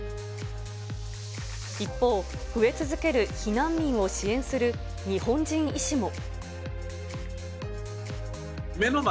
一方、増え続ける避難民を支援する日本人医師も。